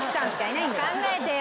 考えてよ。